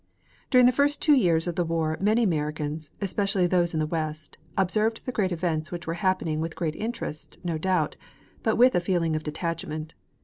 During the first two years of the war many Americans, especially those in the West, observed the great events which were happening with great interest, no doubt, but with a feeling of detachment.